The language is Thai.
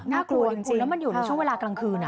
น่ากลัวจริงแล้วมันอยู่ในช่วงเวลากลางคืน